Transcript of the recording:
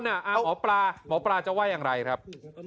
หมอปลาหมอปลาจะว่าอย่างไรครับ